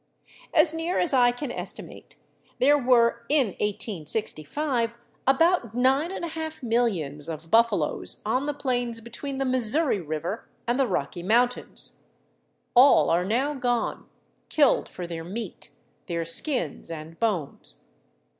As near as I can estimate, there were in 1865 about nine and a half millions of buffaloes on the plains between the Missouri River and the Rocky Mountains. All are now gone killed for their meat, their skins and bones.